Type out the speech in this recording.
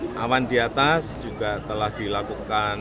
dan kita harapkan yang kedua awan di atas juga telah dilakukan